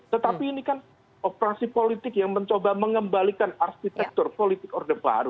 tetapi ini kan operasi politik yang mencoba mengembalikan arsitektur politik order baru